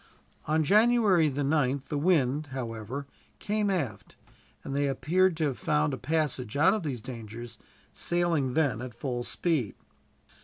On January the 9th the wind, however, came aft, and they appeared to have found a passage out of these dangers, sailing then at full speed.